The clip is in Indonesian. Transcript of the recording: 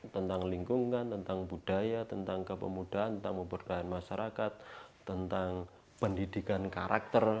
tentang lingkungan tentang budaya tentang kepemudaan tentang pemberdayaan masyarakat tentang pendidikan karakter